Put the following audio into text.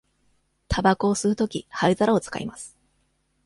たばこを吸うとき、灰皿を使います。